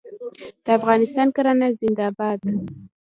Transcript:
د افغانستان کرنه زنده باد.